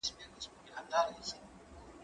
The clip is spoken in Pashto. کېدای سي لیکل ستونزي ولري،